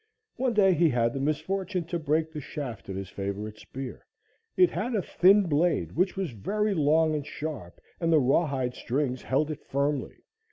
One day he had the misfortune to break the shaft of his favorite spear. It had a thin blade which was very long and sharp, and the rawhide strings held it firmly.